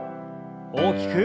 大きく。